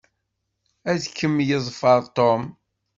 Ad kem-yeḍfer Tom.